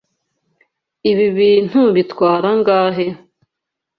Ibi bintu bitwara angahe?